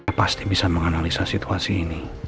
saya pasti bisa menganalisa situasi ini